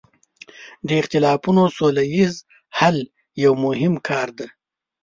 د اختلافونو سوله ییز حل یو مهم کار دی.